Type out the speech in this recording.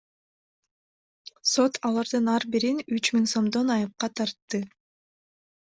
Сот алардын ар бирин үч миң сомдон айыпка тартты.